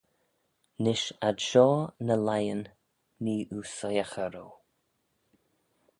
Nish ad shoh ny leighyn nee oo soiaghey roue.